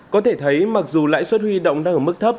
có thể thấy mặc dù lãi suất huy động đang ở mức thấp